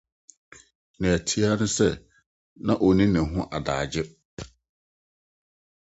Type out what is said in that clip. Nea ɛte ara ne sɛ na onni ne ho adagyew.